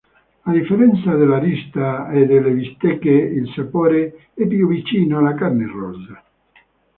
A differenza dell'arista e delle bistecche il sapore è più vicino alla carne rossa.